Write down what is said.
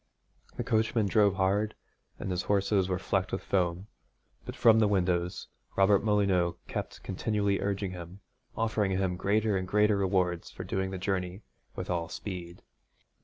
The coachman drove hard and his horses were flecked with foam, but from the windows Robert Molyneux kept continually urging him, offering him greater and greater rewards for his doing the journey with all speed.